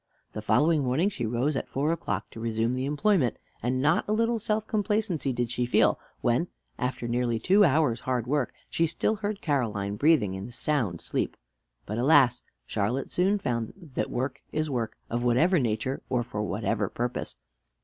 The following morning she rose at four o'clock, to resume the employment; and not a little self complacency did she feel, when, after nearly two hours' hard work, she still heard Caroline breathing in a sound sleep. But, alas! Charlotte soon found that work is work, of whatever nature, or for whatever purpose.